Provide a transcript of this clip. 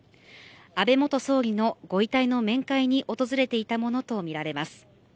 安倍元総理のご遺体の面会に訪れていたものとみられます。